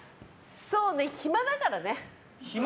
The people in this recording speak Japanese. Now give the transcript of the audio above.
そうね、暇だからね。